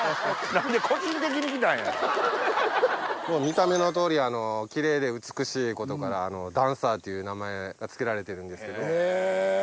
見た目の通りキレイで美しいことからダンサーっていう名前が付けられてるんですけど。